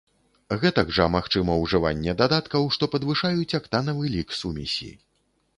Гэтак жа магчыма ўжыванне дадаткаў, што падвышаюць актанавы лік сумесі.